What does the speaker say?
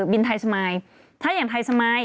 บินไทยสมายถ้าอย่างไทยสมาย